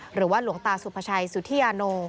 หรือว่าหลวงตาสุภาชัยสุธิยาโน